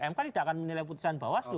mk tidak akan menilai putusan bawaslu